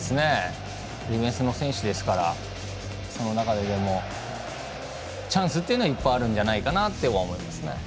ディフェンスの選手ですから、その中でもチャンスっていうのはいっぱいあるんじゃないかなと思います。